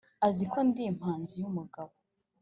Azi ko ndi impanzi y'umugabo.